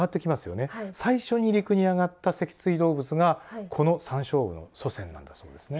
最初に陸に上がった脊椎動物がこのサンショウウオの祖先なんだそうですね。